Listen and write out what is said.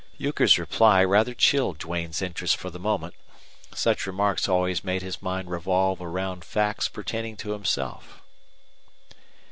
Euchre's reply rather chilled Duane's interest for the moment. Such remarks always made his mind revolve round facts pertaining to himself.